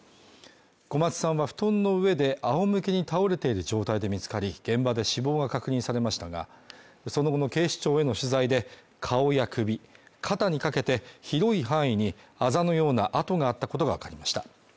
小松さんは布団の上で仰向けに倒れている状態で見つかり、現場で死亡が確認されましたが、その後の警視庁への取材で、顔や首、肩にかけて広い範囲にあざのような痕があったことがわかりました。